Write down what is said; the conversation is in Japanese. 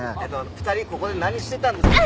２人ここで何してたんですか？